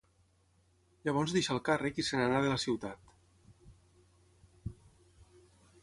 Llavors deixà el càrrec i se n'anà de la ciutat.